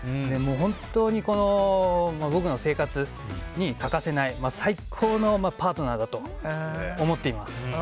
本当に、僕の生活に欠かせない最高のパートナーだと思っています。